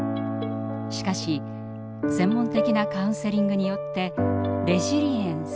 しかし専門的なカウンセリングによってレジリエンス